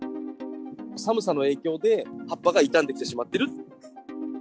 寒さの影響で葉っぱが傷んできてしまってる。